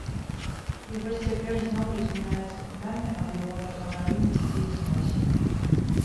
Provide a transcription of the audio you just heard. І вось цяпер зноў узнімаецца пытанне аб ягонай аварыйнасці і зносе.